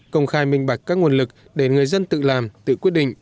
công khai minh bạch các nguồn lực để người dân tự làm tự quyết định